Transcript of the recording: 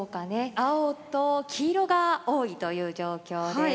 青と黄色が多いという状況です。